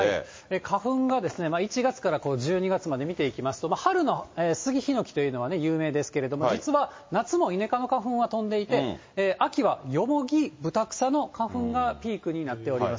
花粉が１月から１２月まで見ていきますと、春のスギ、ヒノキというのは有名ですけれども、実は夏もイネ科の花粉は飛んでいて、秋はヨモギ、ブタクサの花粉がピークになっております。